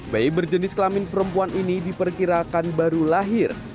bayi berjenis kelamin perempuan ini diperkirakan baru lahir